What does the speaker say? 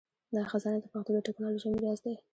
دا خزانه د پښتو د ټکنالوژۍ میراث دی.